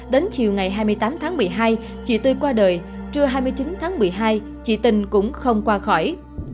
đến chiều ngày hai mươi tám tháng một mươi hai chị tươi qua đời trưa hai mươi chín tháng một mươi hai chị tình cũng không qua khỏi